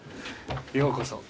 ようこそ。